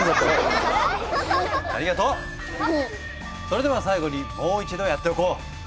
それでは最後にもう一度やっておこう。